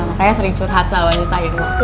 makanya sering curhat sama nyesel